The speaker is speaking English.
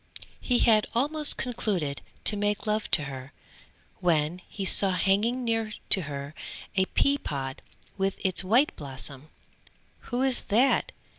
He had almost concluded to make love to her, when he saw hanging near to her, a pea pod with its white blossom. "Who is that?"